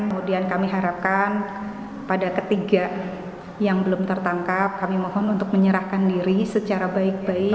kemudian kami harapkan pada ketiga yang belum tertangkap kami mohon untuk menyerahkan diri secara baik baik